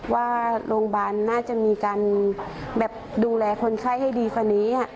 ว่าโรงพยาบาลน่าจะมีการแบบดูแลคนไข้ให้ดีกว่านี้